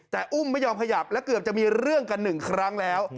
แต่อุ้มไม่ยอมขยับและเกือบจะมีเรื่องกันหนึ่งครั้งแล้ว